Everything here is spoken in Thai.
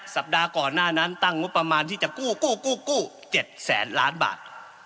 สัปดาห์ก่อนหน้านั้นตั้งงบประมาณที่จะกู้กู้๗แสนล้านบาท